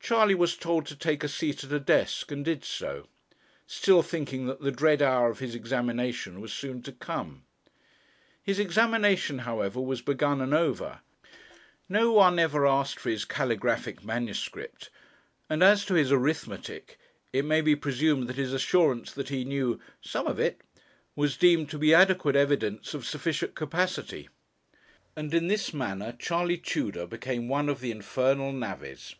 Charley was told to take a seat at a desk, and did so, still thinking that the dread hour of his examination was soon to come. His examination, however, was begun and over. No one ever asked for his calligraphic manuscript, and as to his arithmetic, it may be presumed that his assurance that he knew 'some of it,' was deemed to be adequate evidence of sufficient capacity. And in this manner, Charley Tudor became one of the Infernal Navvies.